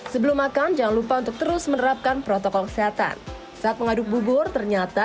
sebelum makan jangan lupa untuk terus menerapkan protokol kesehatan saat mengaduk bubur ternyata